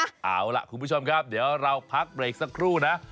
เอาล่ะคุณผู้ชมครับเดี๋ยวเราพักเบรกสักครู่นะ